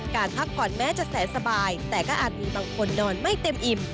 พักผ่อนแม้จะแสนสบายแต่ก็อาจมีบางคนนอนไม่เต็มอิ่ม